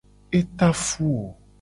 E ta fu wo.